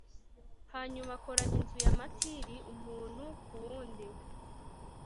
hanyuma akoranya inzu ya matiri, umuntu ku wundi